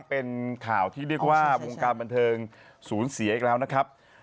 เป็นข่าวที่เรียกว่าวงการบันเทิงศูนย์เสียอีกแล้วนะครับ